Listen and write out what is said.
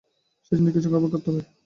সেজন্য কিছুক্ষণ অপেক্ষা করতে হবে।